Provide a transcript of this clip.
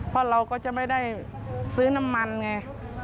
เพราะเราก็จะไม่ได้ซื้อน้ำมันไง